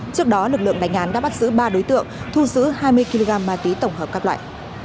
trước đó lực lượng đánh án đã bắt giữ ba đối tượng thu giữ hai mươi kg ma túy tổng hợp các loại